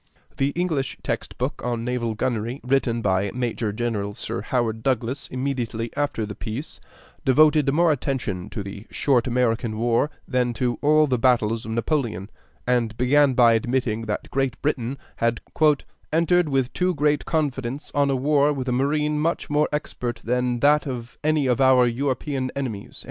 The English text book on Naval Gunnery, written by Major General Sir Howard Douglas immediately after the peace, devoted more attention to the short American war than to all the battles of Napoleon, and began by admitting that Great Britain had "entered with too great confidence on war with a marine much more expert than that of any of our European enemies."